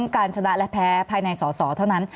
การชนะและแพ้ภายในสอสอเท่านั้น